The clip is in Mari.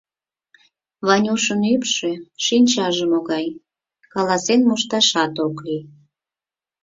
Ванюшын ӱпшӧ, шинчаже могай — каласен мошташат ок лий.